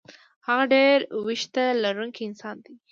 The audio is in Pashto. هغه ډېر وېښته لرونکی انسان دی.